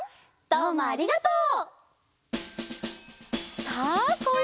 どうもありがとう！